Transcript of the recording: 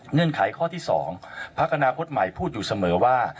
เงื่อนไขข้อที่๒พระกัณฑพฤติมัยพูดอยู่เสมอว่า